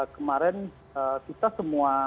kemarin kita semua